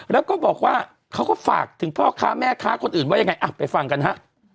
แล้วก็บอกว่าเขาก็ฝากถึงพ่อค้าแม่ค้าคนอื่นว่ายังไงอ่ะไปฟังกันฮะ